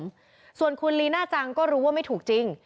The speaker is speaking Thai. ขนวนของคุณรินาจังก็รู้ว่าไม่ถูกจริง